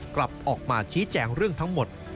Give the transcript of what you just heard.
กลับออกมาชี้แจงเรื่องทั้งหมด